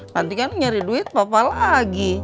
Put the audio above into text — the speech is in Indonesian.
nanti kan nyari duit papa lagi